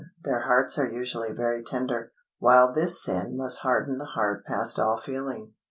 Their hearts are usually very tender, while this sin must harden the heart past all feeling.